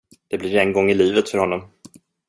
Det blir en gång i livet för honom.